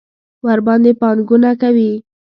ورباندې پانګونه کوي.